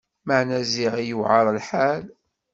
Meεna ziɣ i yuεer lḥal!